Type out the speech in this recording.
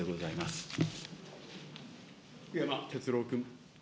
福山哲郎君。